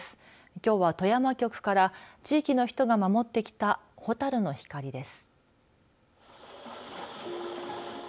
きょうは富山局から地域の人が守ってきた蛍の光です。